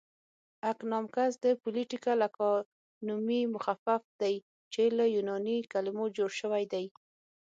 اکنامکس د پولیټیکل اکانومي مخفف دی چې له یوناني کلمو جوړ شوی دی